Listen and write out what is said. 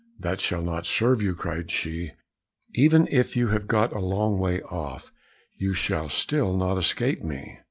"That shall not serve you," cried she, "even if you have got a long way off, you shall still not escape me."